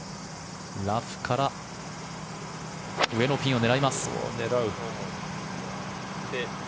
ラフから上のピンを狙います。